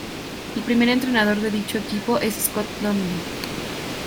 El primer entrenador de dicho equipo es Scott Donnelly.